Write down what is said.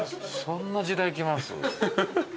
そんな時代来ます？